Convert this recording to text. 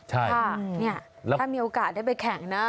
ถ้ามีโอกาสได้ไปแข่งนะ